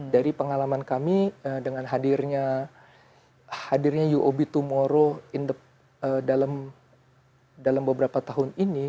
dari pengalaman kami dengan hadirnya hadirnya uob tomorrow dalam beberapa tahun ini